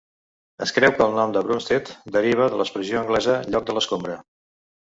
Es creu que el nom Brumstead deriva de l'expressió anglesa "lloc de l'escombra".